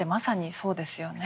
そうですよね。